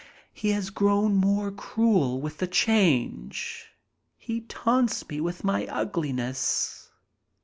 He has grown more cruel with the change. He taunts me with my ugliness.